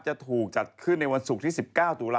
จะถูกจัดขึ้นในวันศุกร์ที่๑๙ตุลาค